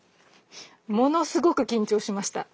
ものすごく緊張しました。